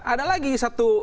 ada lagi satu